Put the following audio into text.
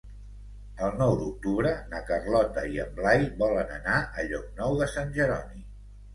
El nou d'octubre na Carlota i en Blai volen anar a Llocnou de Sant Jeroni.